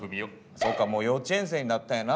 そっかもう幼稚園生になったんやな。